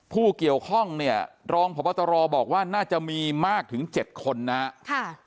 ผู้เกี่ยวข้องเนี่ยรองพบตรบอกว่าน่าจะมีมากถึง๗คนนะครับ